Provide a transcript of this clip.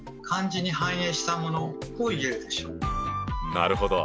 なるほど。